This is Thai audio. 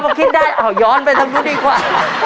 พ่อคิดได้ย้อนไปตรงนู้นดีกว่า